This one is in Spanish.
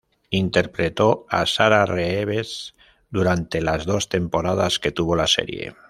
Interpretó a Sara Reeves durante las dos temporadas que tuvo la serie.